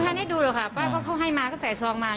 อันนี้มันฝั่งลุงตอบรึเปล่า